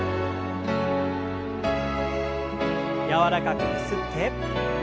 柔らかくゆすって。